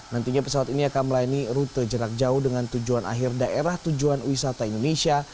nantinya pesawat ini akan melayani rute jarak jauh dengan tujuan akhir daerah tujuan wisata indonesia